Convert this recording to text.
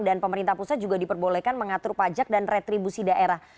dan pemerintah pusat juga diperbolehkan mengatur pajak dan retribusi daerah